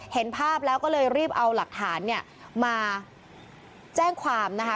เห็นภาพแล้วก็เลยรีบเอาหลักฐานเนี่ยมาแจ้งความนะคะ